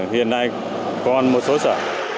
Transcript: hiện nay còn một số sở